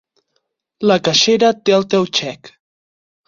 La caixera té el teu xec.